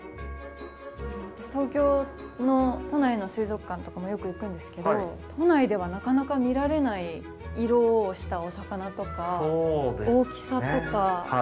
私東京の都内の水族館とかもよく行くんですけど都内ではなかなか見られない色をしたお魚とか大きさとか。